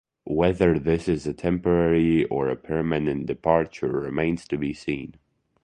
Whether this is a temporary or permanent departure remains to be seen.